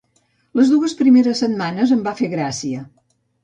Les dues primeres setmanes em va fer gràcia.